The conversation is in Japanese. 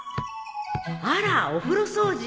あらお風呂掃除？